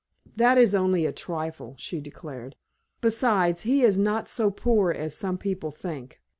"That is only a trifle," she declared. "Besides, he is not so poor as some people think.